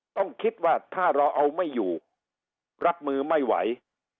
ต้องคิดว่าถ้าเราเอาไม่อยู่รับมือไม่ไหว